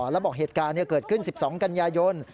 แล้วบอกเหตุการณ์เกิดขึ้น๑๒กันยายน